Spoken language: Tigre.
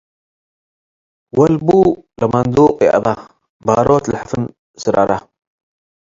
ወልቡ ለመንዱቅ ይአባ - ባሮት ለሕፉን ስረራ